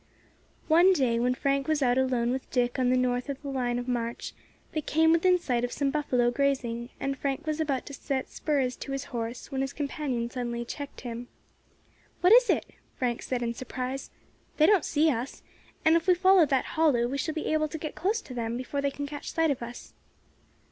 One day when Frank was out alone with Dick on the north of the line of march, they came within sight of some buffalo grazing, and Frank was about to set spurs to his horse when his companion suddenly checked him. "What is it?" Frank said in surprise. "They don't see us, and if we follow that hollow we shall be able to get close to them before they can catch sight of us."